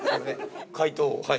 ◆解答、はい。